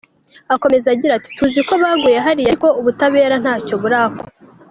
Akomeza agira ati “Tuzi ko baguye hariya ariko ubutabera ntacyo burakora.